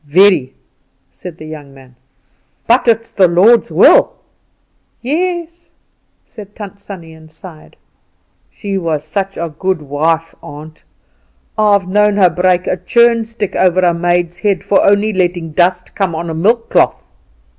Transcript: "Very," said the young man; "but it's the Lord's will." "Yes," said Tant Sannie, and sighed. "She was such a good wife, aunt: I've known her break a churn stick over a maid's head for only letting dust come on a milk cloth."